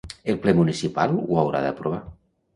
El Ple municipal ho haurà d'aprovar.